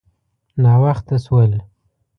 _ناوخته شول.